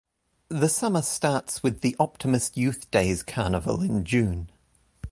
The summer starts with the Optimist Youth Days Carnival in June.